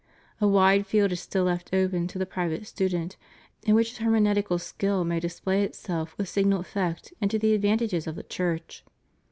A wide field is still left open to the private student, in which his hermeneutical skill may display itself with signal effect and to the advantages of the Church.